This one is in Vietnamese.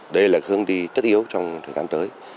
đây là hướng đi tất yếu trong thời gian tới